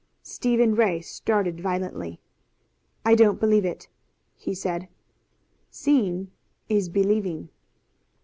Stephen Ray started violently. "I don't believe it," he said. "Seeing is believing."